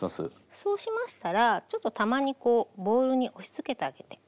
そうしましたらちょっとたまにこうボウルに押しつけてあげて。